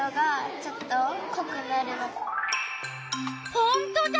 ほんとだ！